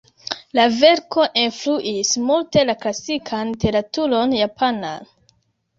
La verko influis multe la klasikan literaturon japanan.